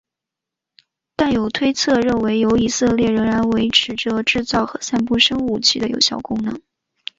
但有推测认为以色列仍然维持着制造和散布生物武器的有效能力。